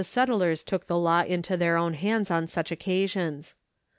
settlers took the law into their own hands on such occasions.